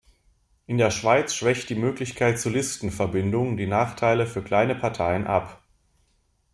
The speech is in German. In der Schweiz schwächt die Möglichkeit zu Listenverbindungen die Nachteile für kleine Parteien ab.